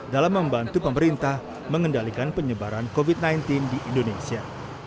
dalam membantu pemerintah mengendalikan penyebaran covid sembilan belas di indonesia